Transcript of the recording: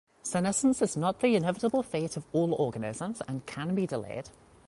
Senescence is not the inevitable fate of all organisms and can be delayed.